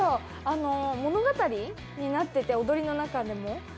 物語になってて、踊りの中でも。